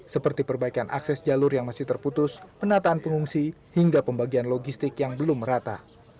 seperti perbaikan akses jalur yang masih terputus penataan pengungsi hingga pembagian logistik yang belum merata